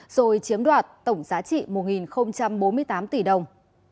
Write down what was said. rồi chiếm đoạt tổng giá trị một bốn mươi tám tỷ đồng